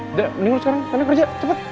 udah mending lo sekarang tanda kerja cepet